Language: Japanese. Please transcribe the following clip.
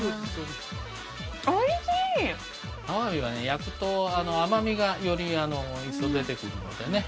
焼くと甘みがより一層出てくるのでね